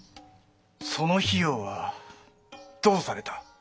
その費用はどうされた？